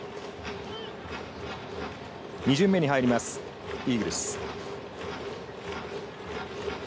２巡目に入ります、イーグルス。